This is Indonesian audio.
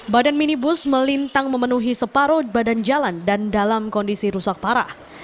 badan minibus melintang memenuhi separuh badan jalan dan dalam kondisi rusak parah